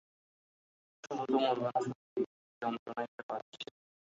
শুধু তো মরবে না শশী, কী যন্ত্রণাই যে পাচ্ছে।